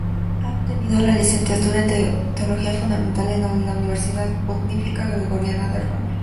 Ha obtenido la licenciatura en teología fundamental en la Universidad Pontificia Gregoriana de Roma.